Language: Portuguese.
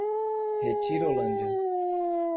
Retirolândia